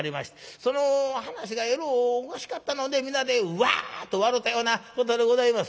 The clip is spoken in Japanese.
その噺がえろうおかしかったので皆でワッと笑うたようなことでございます」。